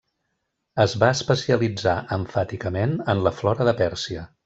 Es va especialitzar emfàticament en la flora de Pèrsia.